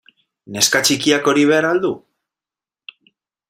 Neska txikiak hori behar al du?